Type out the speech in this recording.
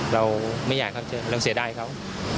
เราไม่อยากเขาเจอเราเสียดายเขา